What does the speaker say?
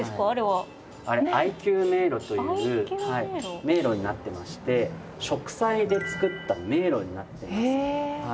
あれＩＱ迷路という迷路になってまして植栽で作った迷路になっています。